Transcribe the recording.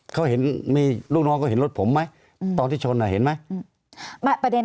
เขาเห็นมีลูกน้องเขาเห็นรถผมไหมตอนที่ชนอ่ะเห็นไหม